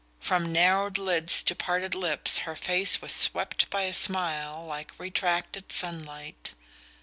From narrowed lids to parted lips her face was swept by a smile like retracted sunlight.